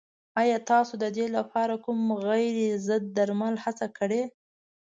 ایا تاسو د دې لپاره کوم غیر ضد درمل هڅه کړې؟